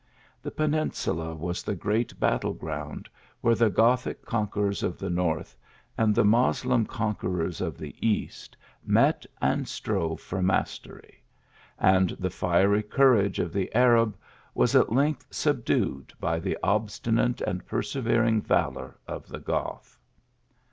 The peninsula was the great battle ground where the Gothic conquerors of the north and the Moslem conquerors of the east, met and strove for mastery ; and the fiery courage of the Arab was at length subdued by the obstinate and persevering valour of the Goth.